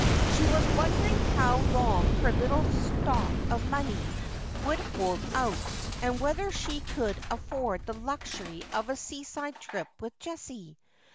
She was wondering how long her little stuck of money would hold out, and whether she could afford the luxury of a seaside trip with Jessie.